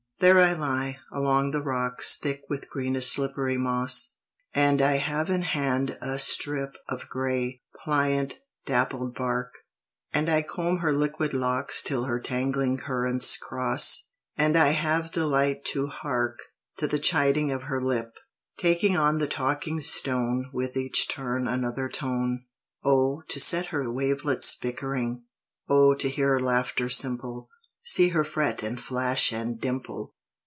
There I lie, along the rocks Thick with greenest slippery moss, And I have in hand a strip Of gray, pliant, dappled bark; And I comb her liquid locks Till her tangling currents cross; And I have delight to hark To the chiding of her lip, Taking on the talking stone With each turn another tone. Oh, to set her wavelets bickering! Oh, to hear her laughter simple, See her fret and flash and dimple!